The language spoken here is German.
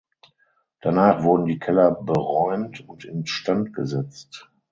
Danach wurden die Keller beräumt und instand gesetzt.